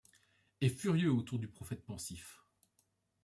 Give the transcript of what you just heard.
Est furieux autour du prophète pensif.